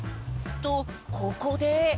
とここで。